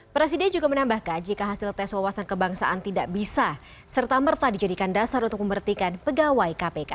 presiden juga menambahkan jika hasil tes wawasan kebangsaan tidak bisa serta merta dijadikan dasar untuk membertikan pegawai kpk